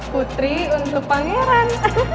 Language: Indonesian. putri untuk pangeran